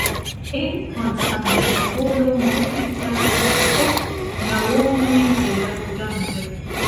En Konstantinopolo mortis la ok naŭonoj de la loĝantoj.